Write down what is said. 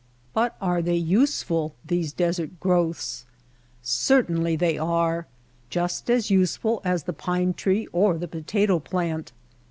But are they useful, these desert growths ? Certainly they are ; just as useful as the pine tree or the potato plant.